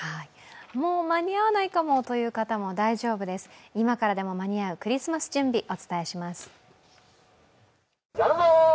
もう間に合わないかもという方も大丈夫です、今からでも間に合うクリスマス準備、お伝えします。